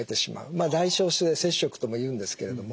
まあ代償性摂食とも言うんですけれども。